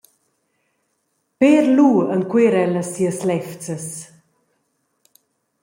Pér lu enquera ella sias levzas.